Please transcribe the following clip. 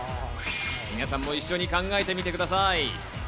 皆さんも一緒に考えてみてください。